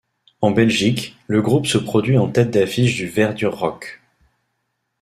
En Belgique, le groupe se produit en tête d'affiche du Verdur Rock.